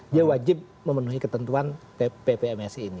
dia wajib memenuhi ketentuan ppmsi ini